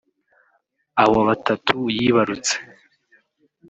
Abo batatu yibarutse